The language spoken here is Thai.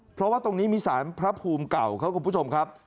เพราะว่าตรงนี้มีสารพระภูมิเก่าครับคุณผู้ชมครับ